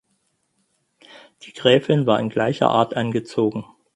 Die Gräfin war in gleicher Art angezogen.